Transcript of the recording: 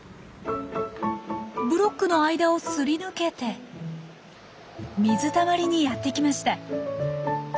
ブロックの間をすり抜けて水たまりにやって来ました。